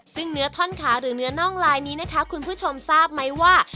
ซึ่งเนื้อท่อนขาหรือเนื้อน่องลายนี้นะคะคุณผู้ชมทราบไหมว่า